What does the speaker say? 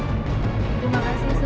terima kasih tuhan